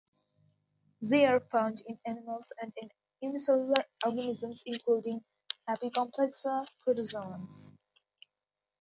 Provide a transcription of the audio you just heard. They are found in animals and in unicellular organisms including Apicomplexa protozoans.